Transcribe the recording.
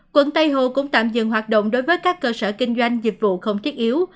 quận tây hồ cũng tạm dừng hoạt động đối với các cơ sở kinh doanh dịch vụ không thiết yếu